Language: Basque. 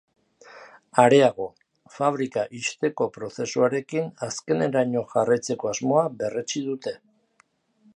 Areago, fabrika ixteko prozesuarekin azkeneraino jarraitzeko asmoa berretsi dute.